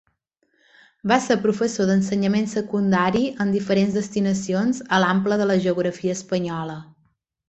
Va ser professor d'ensenyament secundari en diferents destinacions a l'ample de la geografia espanyola.